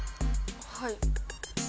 はい。